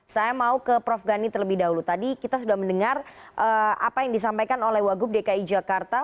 saya mau ke prof gani terlebih dahulu tadi kita sudah mendengar apa yang disampaikan oleh wagub dki jakarta